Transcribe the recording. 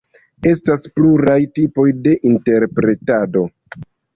Estas pluraj tipoj de interpretado.